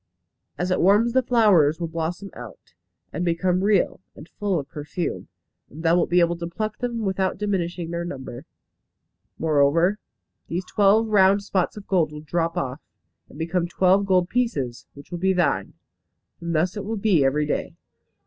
As it warms the flowers will blossom out, and become real, and full of perfume, and thou wilt be able to pluck them without diminishing their number. Moreover, these twelve round spots of gold will drop off, and become twelve gold pieces, which will be thine. And thus it will be every day.